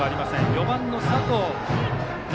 ４番の佐藤玲